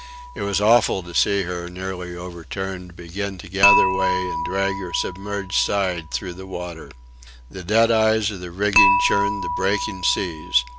It was awful to see her, nearly overturned, begin to gather way and drag her submerged side through the water. The dead eyes of the rigging churned the breaking seas.